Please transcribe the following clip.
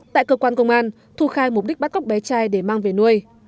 tại cơ quan công an thu khai mục đích bắt cóc bé trai để mang về nuôi